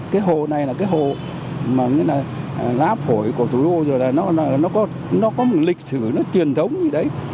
cái hồ này là cái hồ lá phổi của thủ đô rồi là nó có một lịch sử nó truyền thống như đấy